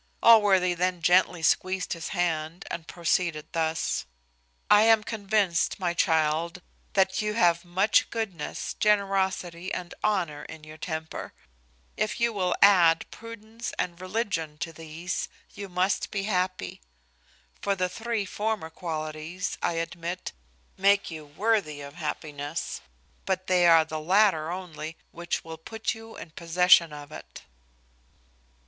Allworthy then gently squeezed his hand, and proceeded thus: "I am convinced, my child, that you have much goodness, generosity, and honour, in your temper: if you will add prudence and religion to these, you must be happy; for the three former qualities, I admit, make you worthy of happiness, but they are the latter only which will put you in possession of it.